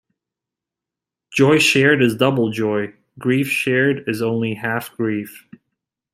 Joy shared is double joy; grief shared is only half grief.